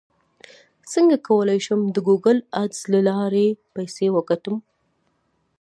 څنګه کولی شم د ګوګل اډز له لارې پیسې وګټم